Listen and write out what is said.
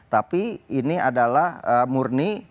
tapi ini adalah murni